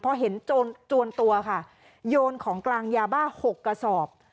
พอเห็นโจรจวนตัวค่ะโยนของกลางยาบ้า๖กระสอบ